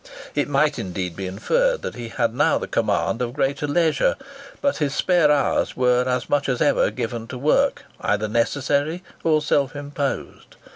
It might, indeed, be inferred that he had now the command of greater leisure; but his spare hours were as much as ever given to work, either necessary or self imposed.